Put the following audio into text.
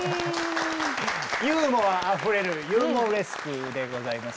ユーモアあふれる「ユモレスク」でございます。